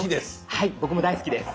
はい僕も大好きです。